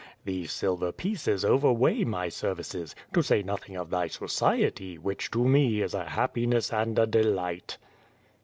These silver pieces over weigh my services, to say nothing of thy society, which to me is a happiness and a delight."